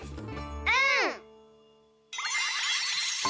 うん！